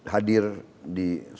hadir di sebuah perkawinan